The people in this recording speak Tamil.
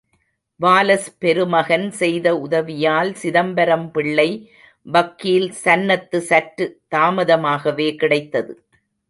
வாலஸ் பெருமகன் செய்த உதவியால், சிதம்பரம் பிள்ளை வக்கீல் சன்னத்து சற்றுத் தாமதமாகவே கிடைத்தது.